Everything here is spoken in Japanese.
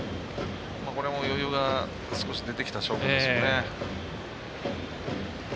これも、余裕が少し出てきた証拠ですよね。